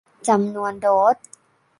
จำนวนโดส